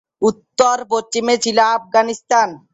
উত্তর পশ্চিমে ছিল আফগানিস্তান।